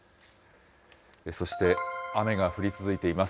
そして雨が降り続いています。